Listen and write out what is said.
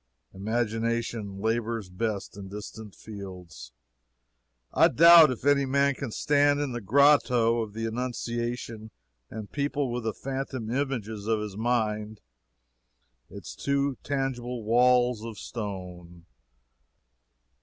Imagination labors best in distant fields. I doubt if any man can stand in the Grotto of the Annunciation and people with the phantom images of his mind its too tangible walls of stone.